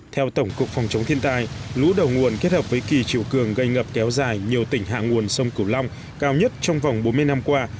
theo tổng cục phòng chống thiên tai lũ đầu nguồn kết hợp với kỳ chiều cường gây ngập kéo dài nhiều tỉnh hạ nguồn sông cửu long cao nhất trong vòng bốn mươi năm qua